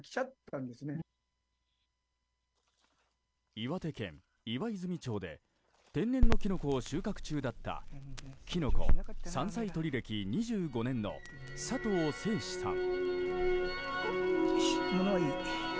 岩手県和泉町で天然のキノコを収穫中だったキノコ・山菜取り歴２５年の佐藤誠志さん。